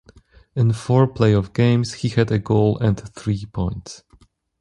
In four playoff games, he had a goal and three points.